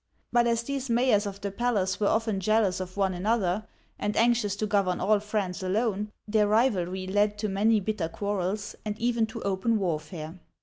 But as these mayors of the palace were often jealous of one another, and anxious to govern all France alone, their rivalry led to many bitter quarrels and even to open war fare.